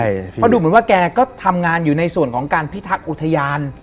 เพราะดูเหมือนว่าแกก็ทำงานอยู่ในส่วนของการพิทักษ์อุทยาน